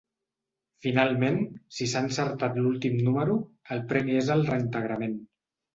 Finalment, si s’ha encertat l’últim número, el premi és el reintegrament.